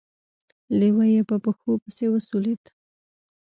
لېوه يې په پښو پسې وسولېد.